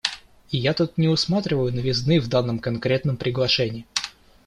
И я тут не усматриваю новизны в данном конкретном приглашении.